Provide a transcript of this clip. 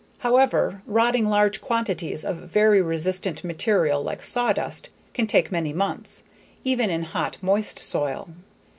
However, rotting large quantities of very resistant material like sawdust can take many months, even in hot, moist soil.